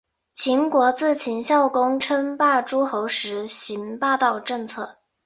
秦国自秦孝公称霸诸候时行霸道政策。